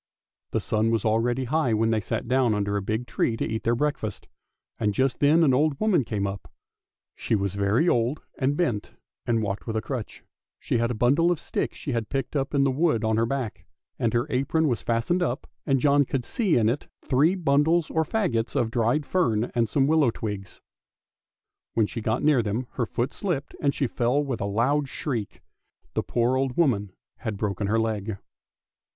The sun was already high when they sat down under a big tree to eat their breakfast, and just then an old woman came up. She was very old and bent, and walked with a crutch; she had a bundle of sticks she had picked up in the wood on her back, and her apron was fastened up, and John could see in it three bundles or faggots of dried fern and some willow twigs. When 2 A 370 ANDERSEN'S FAIRY TALES she got near them, her foot slipped and she fell with a loud shriek; the poor old woman had broken her leg.